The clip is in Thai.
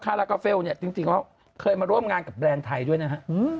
รากาเฟลเนี่ยจริงเขาเคยมาร่วมงานกับแบรนด์ไทยด้วยนะฮะ